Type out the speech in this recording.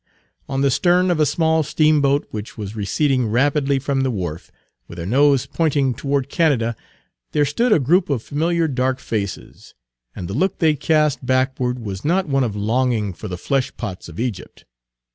On the stern of a small steamboat which was receding rapidly from the wharf, with her nose pointing toward Page 202 Canada, there stood a group of familiar dark faces, and the look they cast backward was not one of longing for the fleshpots of Egypt.